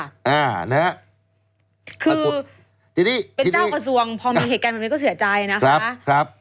เป็นเจ้ากระทรวงพอมีเหตุการณ์แบบนี้ก็เสียใจนะ